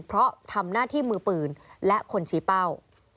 เพราะทำหน้าที่มือปืนและคนชี้เป้า